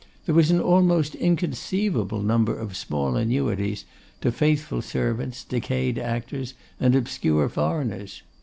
There was an almost inconceivable number of small annuities to faithful servants, decayed actors, and obscure foreigners.